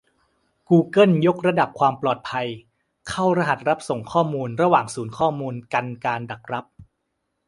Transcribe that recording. กูเกิลยกระดับความปลอดภัย เข้ารหัสรับส่งข้อมูลระหว่างศูนย์ข้อมูล กันการดักรับ